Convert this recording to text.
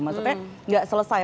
maksudnya enggak selesai